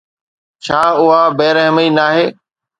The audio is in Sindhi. ڇا اها بي رحمي ناهي؟